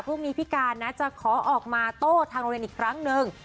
พรุ่งนี้พี่การนะจะขอออกมาโต้ทางโรงเรียนอีกครั้งหนึ่ง